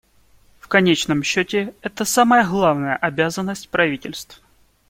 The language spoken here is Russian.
В конечном счете, это самая главная обязанность правительств.